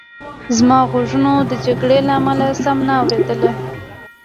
زما غوږونو د جګړې له امله سم نه اورېدل